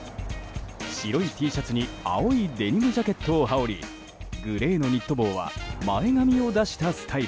白いＴシャツに青いデニムジャケットを羽織りグレーのニット帽は前髪を出したスタイル。